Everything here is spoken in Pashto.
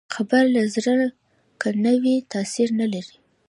خبره له زړه که نه وي، تاثیر نه لري